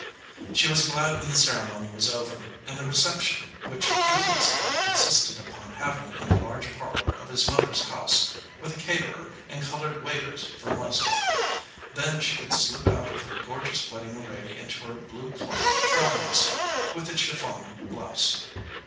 She was glad when the ceremony was over, and the reception, which Julius had insisted upon hav ing in the large parlor of his mother s house, with a caterer and colored waiters from Leicester. Then she could slip out of her gorgeous wedding array into her blue cloth traveling suit, with a chiffon blouse.